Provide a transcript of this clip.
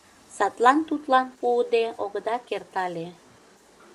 Садлан тудлан пуыде огыда керт але...